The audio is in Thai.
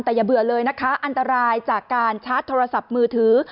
แต่อย่าเบื่อเลยนะคะอันตรายจากการชาร์จโทรศัพท์มือถือ